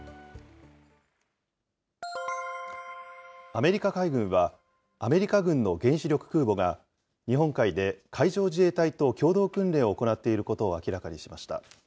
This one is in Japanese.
アメリカ海軍は、アメリカ軍の原子力空母が、日本海で海上自衛隊と共同訓練を行っていることを明らかにしました。